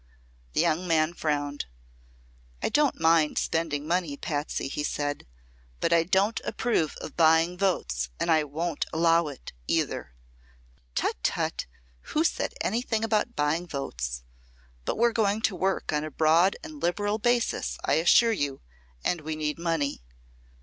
The young man frowned. "I don't mind spending money, Patsy," he said, "but I don't approve of buying votes, and I won't allow it, either!" "Tut tut! Who said anything about buying votes? But we're going to work on a broad and liberal basis, I assure you, and we need money."